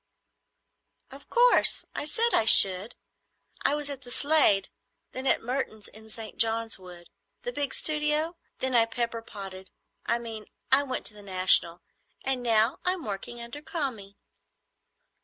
"Of course. I said I should. I was at the Slade, then at Merton's in_St. John's Wood_, the big studio, then I pepper potted,—I mean I went to the National,—and now I'm working under Kami."